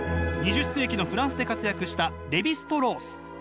２０世紀のフランスで活躍したレヴィ＝ストロース。